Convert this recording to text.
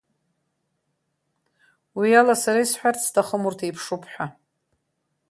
Уи ала сара исҳәарц сҭахым урҭ еиԥшуп ҳәа.